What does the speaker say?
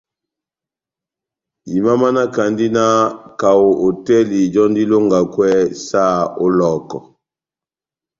Imamanakandi na kaho hotɛli jɔ́ndi ilongakwɛ saha ó Lɔhɔkɔ.